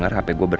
ya udah deh mbak